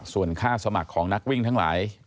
ส่วนค่าสมัครของนักวิ่งทั้งหลาย